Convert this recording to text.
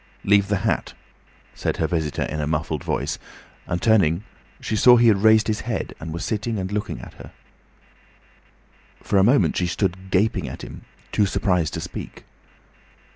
"Leave the hat," said her visitor, in a muffled voice, and turning she saw he had raised his head and was sitting and looking at her. For a moment she stood gaping at him, too surprised to speak.